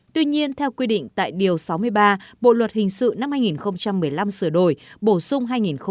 tuy nhiên theo quy định tại điều sáu mươi ba bộ luật hình sự năm hai nghìn một mươi năm sửa đổi bổ sung hai nghìn một mươi bảy